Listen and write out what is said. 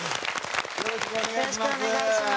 よろしくお願いします。